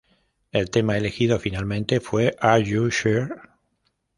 El tema elegido finalmente fue "Are You Sure?